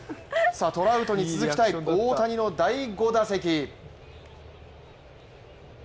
トラウトに続きたい、大谷の第５打席。